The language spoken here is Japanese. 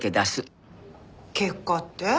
結果って？